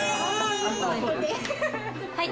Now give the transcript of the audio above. はい？